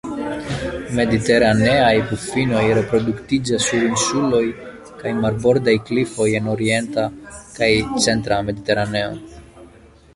Mediteraneaj pufinoj reproduktiĝas sur insuloj kaj marbordaj klifoj en orienta kaj centra Mediteraneo.